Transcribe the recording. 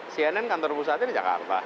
cnn kantor pusatnya di jakarta